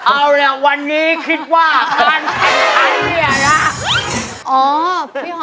อ้าวแล้ววันนี้คิดว่าการแขนตะเลี่ยนะ